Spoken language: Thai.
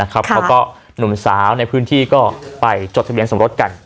เขาก็หนุ่มสาวในพื้นที่ก็ไปจดทะเบียนสมรสกัน